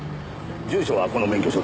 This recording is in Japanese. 住所はこの免許証で。